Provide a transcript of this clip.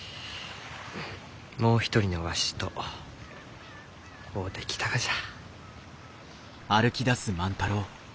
もう一人のわしと会うてきたがじゃ。